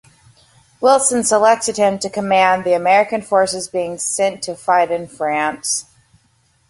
Wilson selected him to command the American forces being sent to fight in France.